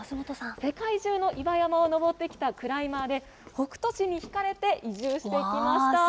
世界中の岩山を登ってきたクライマーで、北杜市にひかれて移住してきました。